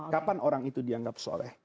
kapan orang itu dianggap soleh